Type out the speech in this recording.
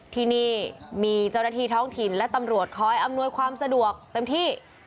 ที่นี่มีเจ้าหน้าที่ท้องถิ่นและตำรวจคอยอำนวยความสะดวกเต็มที่